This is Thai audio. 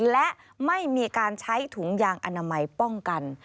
และไม่มีการใช้ถุงยางอนามัยป้องกัน